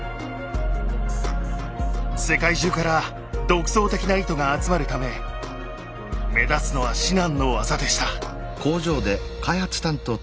世界中から独創的な糸が集まるため目立つのは至難の業でした。